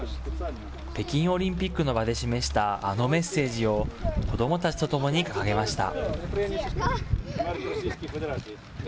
北京オリンピックの場で示したあのメッセージを、子どもたちと共に掲げました。